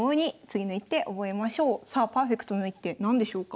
さあパーフェクトな一手何でしょうか？